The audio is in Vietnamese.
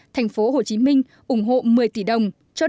thành phố hồ chí minh ủng hộ một mươi tỷ đồng cho đồng bào miền trung